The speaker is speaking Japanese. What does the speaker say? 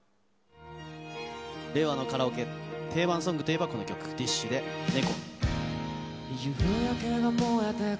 令和のカラオケ定番ソングといえばこちら、ＤＩＳＨ／／で猫。